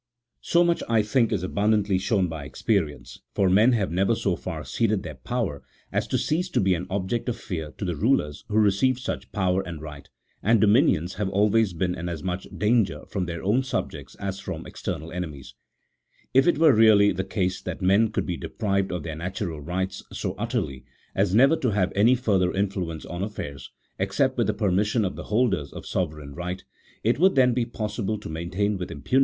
So much, I think, is abundantly shown by experience : for men have never so far ceded their power as to cease to be an object of fear to the rulers who received such power and right ; and domi nions have always been in as much danger from their own subjects as from external enemies. If it were really the case that men could be deprived of their natural rights so utterly as never to have any further influence on affairs, 1 except with the permission of the holders of sovereign right, it would then be possible to maintain with impunity 1 See Note 29. CH.4.P. XVII.